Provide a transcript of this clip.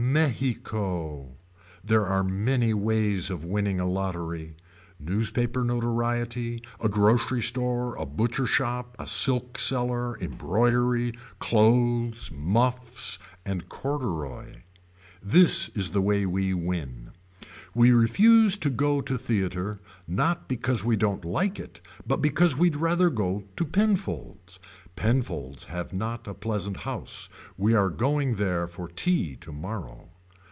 Mexico. There are many ways of winning a lottery. Newspaper notoriety. A grocery store. A butcher shop. A silk seller. Embroidery. Clothes. Muffs. And corduroy. This is the way we win. We refuse to go to theater not because we don't like it but because we'd rather go to Penfolds. Penfolds have not a pleasant house we are going there for tea tomorrow.